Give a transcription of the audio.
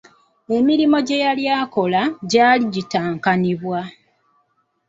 Emirimu gye yali akola gyali gitankanibwa.